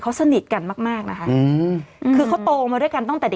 เขาสนิทกันมากมากนะคะคือเขาโตมาด้วยกันตั้งแต่เด็ก